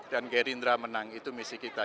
dan gerindra menang itu misi kita